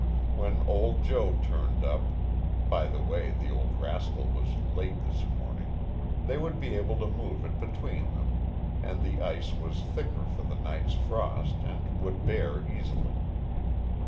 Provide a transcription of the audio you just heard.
When old Joe turned up by the way, the old rascal was late this morning they would be able to move it between them, and the ice was thicker for the night's frost, and would bear easily.